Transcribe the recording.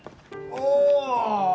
ああ！